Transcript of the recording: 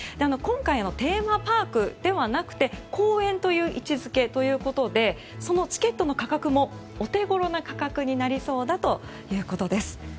今回はテーマパークではなくて公園という位置づけということでチケットの価格もお手ごろな価格になりそうということです。